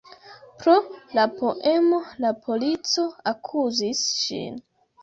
Pro la poemo la polico akuzis ŝin.